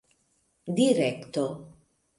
direkto